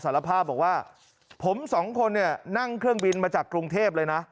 สารภาพบอกว่าผมสองคนเนี่ยนั่งเครื่องบินมาจากกรุงเทพเลยนะ